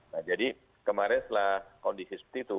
nah jadi kemarin setelah kondisi seperti itu